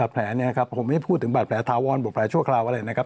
ผมไม่ได้พูดถึงบาดแผลทาวรบาดแผลชั่วคราวอะไรนะครับ